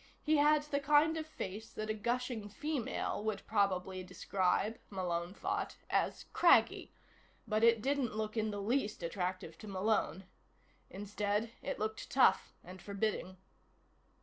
He had the kind of face that a gushing female would probably describe, Malone thought, as "craggy," but it didn't look in the least attractive to Malone. Instead, it looked tough and forbidding.